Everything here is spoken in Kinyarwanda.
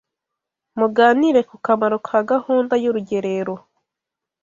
Muganire ku kamaro ka gahunda y’ urugerero